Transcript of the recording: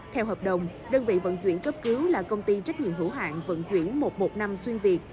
theo hợp đồng đơn vị vận chuyển cấp cứu là công ty trách nhiệm hữu hạng vận chuyển một trăm một mươi năm xuyên việt